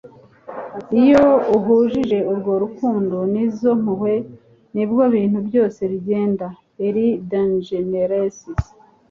iyo uhujije urwo rukundo n'izo mpuhwe, ni bwo ibintu byose bigenda. - ellen degeneres